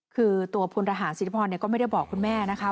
คือตัวภูมิรหาสิทธิพรก็ไม่ได้บอกคุณแม่นะคะ